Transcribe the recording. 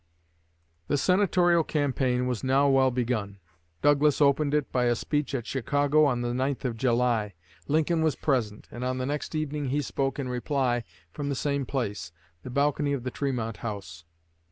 The Senatorial campaign was now well begun. Douglas opened it by a speech at Chicago on the 9th of July. Lincoln was present, and on the next evening spoke in reply from the same place the balcony of the Tremont House.